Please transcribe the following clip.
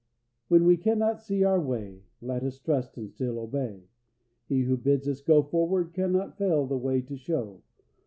"When we cannot see our way, Let us trust and still obey; He who bids us forward go, Cannot fail the way to show.